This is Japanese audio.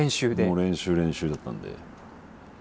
もう練習練習だったんで。